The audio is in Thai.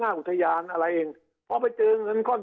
คราวนี้เจ้าหน้าที่ป่าไม้รับรองแนวเนี่ยจะต้องเป็นหนังสือจากอธิบดี